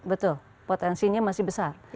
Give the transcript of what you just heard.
betul potensinya masih besar